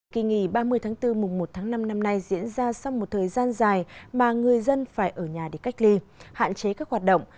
kỳ nghỉ ba mươi tháng bốn mùng một tháng năm năm nay diễn ra sau một thời gian dài mà người dân phải ở nhà để cách ly hạn chế các hoạt động